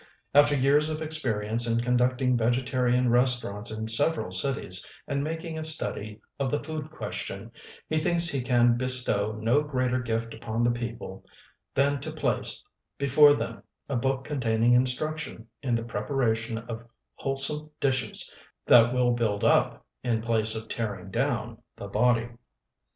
After years of experience in conducting vegetarian restaurants in several cities and making a study of the food question, he thinks he can bestow no greater gift upon the people than to place before them a book containing instruction in the preparation of wholesome dishes that will build up in place of tearing down the body.